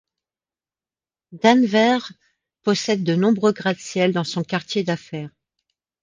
Denver possède de nombreux gratte-ciel dans son quartier d'affaires.